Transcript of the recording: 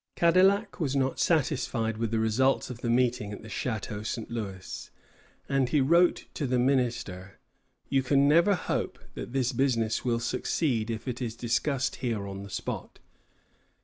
Cadillac was not satisfied with the results of the meeting at the Château St. Louis, and he wrote to the minister: "You can never hope that this business will succeed if it is discussed here on the spot.